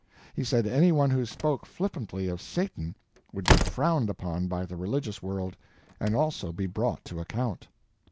He said any one who spoke flippantly of Satan would be frowned upon by the religious world and also be brought to account.